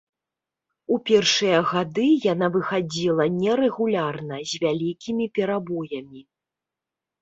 У першыя гады яна выхадзіла нерэгулярна, з вялікімі перабоямі.